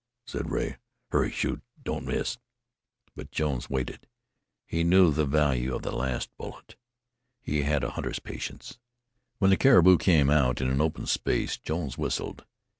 said Rea. "Hurry! Shoot! Don't miss!" But Jones waited. He knew the value of the last bullet. He had a hunter's patience. When the caribou came out in an open space, Jones whistled.